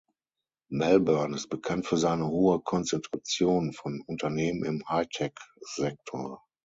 Melbourne ist bekannt für seine hohe Konzentration von Unternehmen im High-Tech-Sektor.